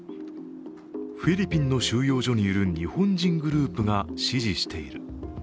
フィリピンの収容所にいる日本人グループが指示している。